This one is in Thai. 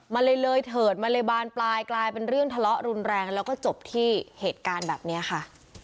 มันเลยเลยเถิดมันเลยบานปลายกลายเป็นเรื่องทะเลาะรุนแรงแล้วก็จบที่เหตุการณ์แบบนี้ค่ะ